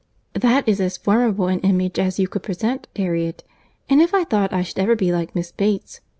"That is as formidable an image as you could present, Harriet; and if I thought I should ever be like Miss Bates!